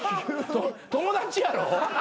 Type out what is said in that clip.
友達やろ？